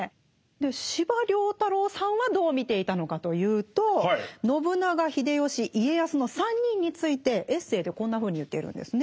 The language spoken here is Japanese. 司馬太郎さんはどう見ていたのかというと信長秀吉家康の３人についてエッセーでこんなふうに言っているんですね。